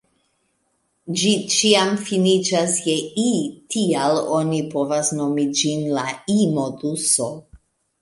Ĝi ĉiam finiĝas je -i, tial oni povas nomi ĝin „la i-moduso.